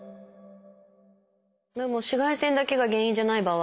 紫外線だけが原因じゃない場合